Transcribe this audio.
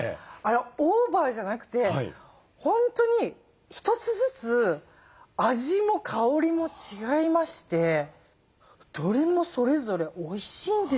オーバーじゃなくて本当に一つずつ味も香りも違いましてどれもそれぞれおいしいんですよ。